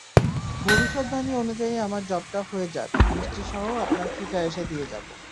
ভবিষ্যদ্বাণী অনুযায়ী আমার জবটা হয়ে যাক, মিষ্টিসহ আপনার ফি-টা এসে দিয়ে যাব।